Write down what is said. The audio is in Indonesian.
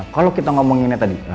kalau kita ngomonginnya tadi